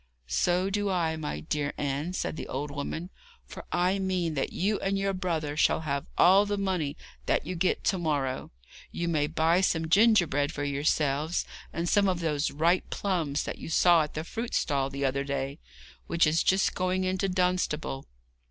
'So do I, my dear Anne,' said the old woman, 'for I mean that you and your brother shall have all the money that you get to morrow. You may buy some ginger bread for yourselves, or some of those ripe plums that you saw at the fruit stall the other day, which is just going into Dunstable.